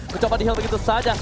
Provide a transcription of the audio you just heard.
mencoba di heal begitu saja